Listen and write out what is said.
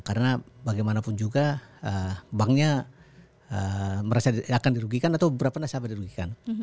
karena bagaimanapun juga banknya akan dirugikan atau beberapa nasabah dirugikan